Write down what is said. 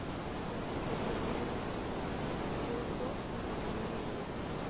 El terreno era montuoso y de mediana calidad.